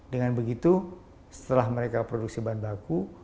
dengan begitu setelah mereka produksi bahan baku